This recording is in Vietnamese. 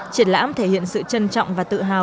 triển lãm thể hiện sự trân trọng và tự hào